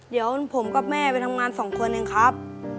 เดี๋ยวผมกับแม่ไปทำงานสองคนเองครับ